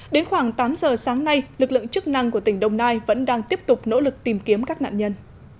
đến khoảng tám giờ sáng nay lực lượng chức năng của tỉnh đồng nai vẫn đang tiếp tục nỗ lực tìm kiếm các nạn nhân